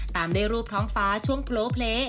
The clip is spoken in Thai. ตามด้วยรูปท้องฟ้าช่วงโพลเพล